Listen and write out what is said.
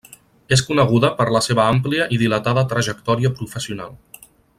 És coneguda per la seva àmplia i dilatada trajectòria professional.